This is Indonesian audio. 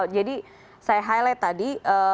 jadi saya highlight tadi